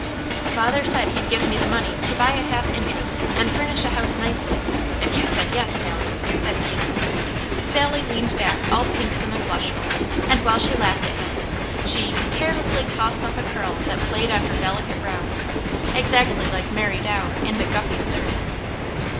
"Father said he'd give me the money to buy a half interest, and furnish a house nicely, if you said 'yes,' Sally," said Peter. Sally leaned back all pinksome and blushful, and while she laughed at him she "Carelessly tossed off a curl That played on her delicate brow." exactly like Mary Dow in McGuffey's Third.